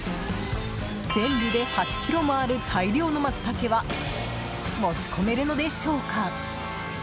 全部で８ｋｇもある大量のマツタケは持ち込めるのでしょうか。